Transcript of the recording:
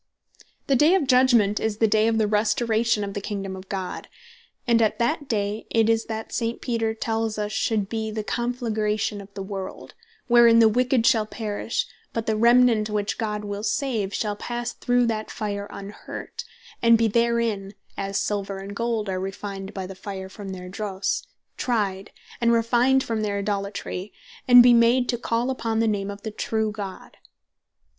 The day of Judgment, is the day of the Restauration of the Kingdome of God; and at that day it is, that St. Peter tells us (2 Pet. 3. v.7, 10, 12.) shall be the Conflagration of the world, wherein the wicked shall perish; but the remnant which God will save, shall passe through that Fire, unhurt, and be therein (as Silver and Gold are refined by the fire from their drosse) tryed, and refined from their Idolatry, and be made to call upon the name of the true God.